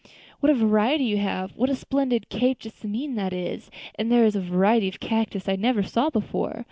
What a variety you have! what a splendid cape jessamine that is, and there is a variety of cactus I never saw before!